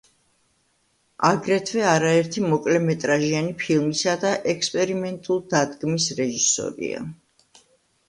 აგრეთვე, არაერთი მოკლემეტრაჟიანი ფილმისა და ექსპერიმენტულ დადგმის რეჟისორია.